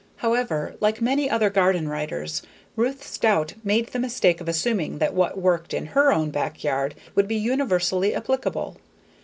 However, like many other garden writers, Ruth Stout made the mistake of assuming that what worked in her own backyard would be universally applicable.